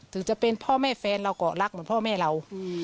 ถึงจะเป็นพ่อแม่แฟนเราก็รักเหมือนพ่อแม่เรา